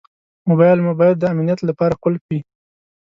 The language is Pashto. موبایل مو باید د امنیت لپاره قلف وي.